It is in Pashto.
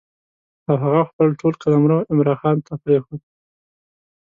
او هغه خپل ټول قلمرو عمرا خان ته پرېښود.